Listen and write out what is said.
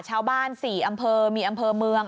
ชาวบ้าน๔อำเภอมีอำเภอเมือง